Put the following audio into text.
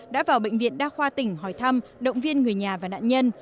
đã vào bệnh viện đa khoa tỉnh hỏi thăm động viên người nhà và nạn nhân